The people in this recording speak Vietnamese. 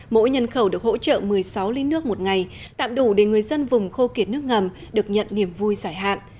mỗi nhân khẩu được hỗ trợ một mươi sáu lít nước một ngày tạm đủ để người dân vùng khô kiệt nước ngầm được nhận niềm vui giải hạn